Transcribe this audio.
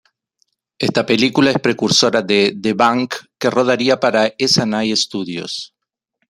Esta película es precursora de The Bank que rodaría para Essanay Studios'.